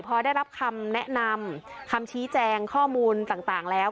พอได้รับคำแนะนำคำชี้แจงข้อมูลต่างแล้ว